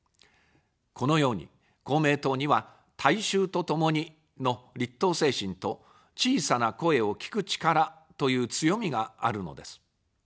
このように、公明党には、大衆とともにの立党精神と小さな声を聴く力という強みがあるのです。